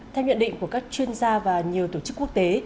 theo nhận định của các chuyên gia và nhiều tổ chức quốc tế